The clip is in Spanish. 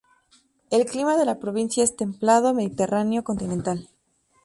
El clima de la provincia es templado mediterráneo continental.